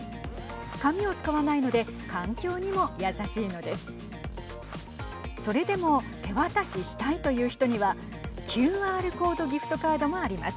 紙を使わないので環境にも優しいのです。